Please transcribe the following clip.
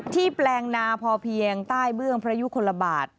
แปลงนาพอเพียงใต้เบื้องพระยุคลบาท